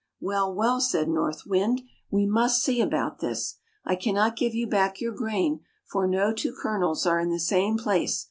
" Well, well," said North Wind. " We must see about this. I cannot give you back yom* gi'ain, for no two kernels are in the same place.